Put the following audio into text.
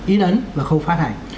ý đắn và khâu phát hành